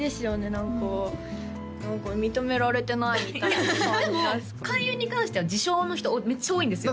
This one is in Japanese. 何か何か認められてないみたいな感じでも開運に関しては自称の人めっちゃ多いんですよ